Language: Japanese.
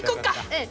うん！